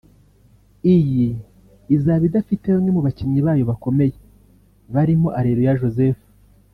iyi izaba idafite bamwe mu bakinnyi bayo bakomeye barimo Areruya Joseph